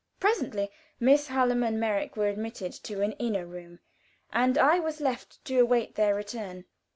Presently Miss Hallam and Merrick were admitted to an inner room, and I was left to await their return.